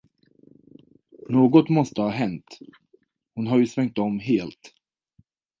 Något måste ha hänt, hon har ju svängt om helt.